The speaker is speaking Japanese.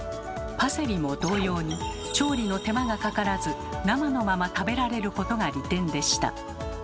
パセリも同様に調理の手間がかからず生のまま食べられることが利点でした。